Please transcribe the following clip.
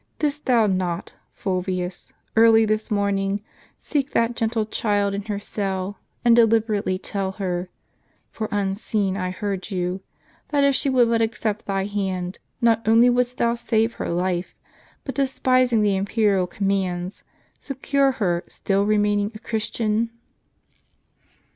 Didst thou not, Fulvius, early this morning, seek that gentle child in her cell, and deliberately tell her (for unseen, I heard you) that if she would but accept thy hand, not only wouldst thou save her life, but, despising the imperial com mands, secure her still remaining a Christian?